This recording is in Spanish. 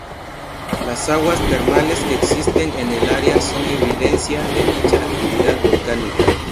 Las aguas termales que existen en el área son evidencia de dicha actividad volcánica.